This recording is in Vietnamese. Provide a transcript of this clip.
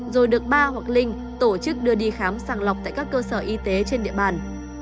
rồi được ba hoặc linh tổ chức đưa đi khám sàng lọc tại các cơ sở y tế trên địa bàn